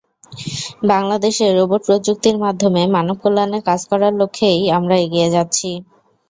বাংলাদেশে রোবট প্রযুক্তির মাধ্যমে মানবকল্যাণে কাজ করার লক্ষ্যেই আমরা এগিয়ে যাচ্ছি।